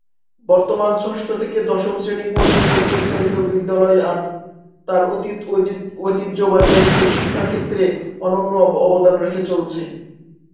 বর্তমান ষষ্ঠ শ্রেণি থেকে দশম শ্রেণী পর্যন্ত পরিচালিত বিদ্যালয়টি তার অতীত ঐতিহ্য বজায় রেখে শিক্ষা ক্ষেত্রে অনন্য অবদান রেখে চলছে।